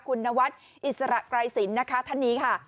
คุณนวัดอิสระไกรศิลป์นะคะท่านนี้ค่ะ